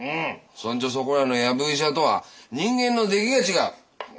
そんじょそこらの藪医者とは人間の出来が違う。